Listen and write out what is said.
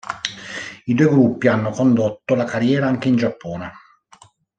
I due gruppi hanno condotto la carriera anche in Giappone.